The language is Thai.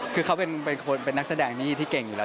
คือเขาเป็นนักแสดงนี่ที่เก่งอยู่แล้ว